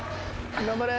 頑張れ。